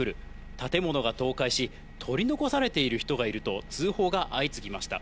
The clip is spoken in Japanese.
建物が倒壊し、取り残されている人がいると、通報が相次ぎました。